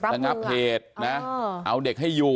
ระงับเหตุนะเอาเด็กให้อยู่